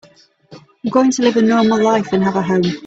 I'm going to live a normal life and have a home.